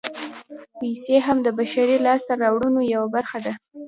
پیسې هم د بشري لاسته راوړنو یوه برخه ده